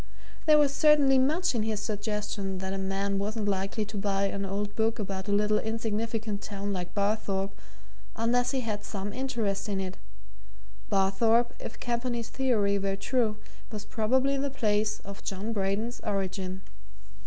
There was certainly much in his suggestion that a man wasn't likely to buy an old book about a little insignificant town like Barthorpe unless he had some interest in it Barthorpe, if Campany's theory were true, was probably the place of John Braden's origin.